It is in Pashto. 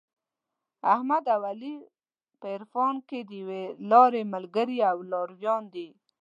احمد او علي په عرفان کې د یوې لارې ملګري او لارویان دي.